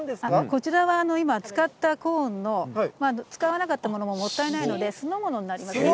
こちらは今、使ったコーンの使わなかったものももったいないので、酢の物になります。